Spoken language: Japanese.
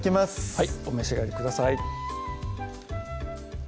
はいお召し上がりください